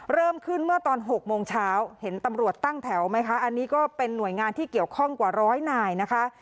เริ่มขึ้นเมื่อตอน๖โมงเช้าเห็นตำรวจตั้งแถวไหมคะอันนี้ก็เป็นหน่วยงานที่เกี่ยวข้องกว่าร้อยนายนะคะ